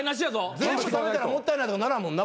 全部食べたらもったいないとかならんもんな？